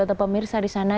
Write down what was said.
atau pemirsa di sana